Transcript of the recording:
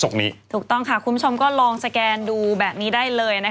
ถูกต้องค่ะคุณผู้ชมก็ลองสแกนดูแบบนี้ได้เลยนะคะ